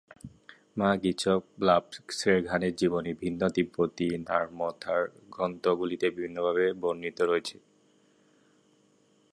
মা-গ্চিগ-লাব-স্গ্রোনের জীবনী ভিন্ন তিব্বতী র্নাম-থার গ্রন্থগুলিতে বিভিন্ন ভাবে বর্ণিত রয়েছে।